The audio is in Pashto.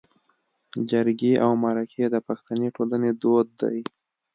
جرګې او مرکې د پښتني ټولنې دود دی